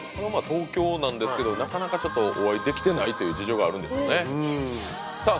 東京なんですけどなかなかお会いできてないという事情があるんでしょうねさあ